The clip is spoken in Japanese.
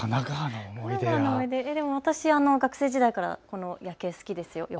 私、学生時代からこの夜景、好きですよ。